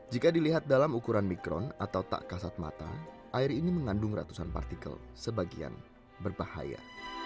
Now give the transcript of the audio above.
jika dilihat dalam ukuran mikron atau tak kasat mata air ini mengandung ratusan partikel sebagian berbahaya